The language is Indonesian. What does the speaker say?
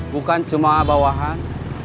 bukan cuma bawahan